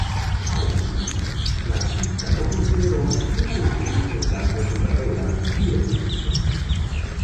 Aun así, la artista lo considero una evolución importante en su carrera y estilo.